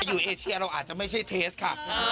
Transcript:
เอเชียเราอาจจะไม่ใช่เทสค่ะ